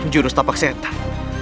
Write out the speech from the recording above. juru stapak setan